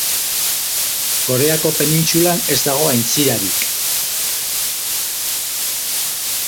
Koreako penintsulan ez dago aintzirarik.